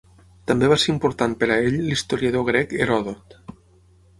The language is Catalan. També va ser important per a ell l'historiador grec Heròdot.